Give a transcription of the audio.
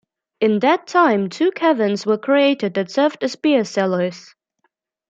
In that time, two caverns were created that served as beer cellars.